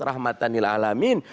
rahmatan ila alamin